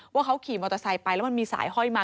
ว่าเขาขี่มอเตอร์ไซค์ไปแล้วมันมีสายห้อยมา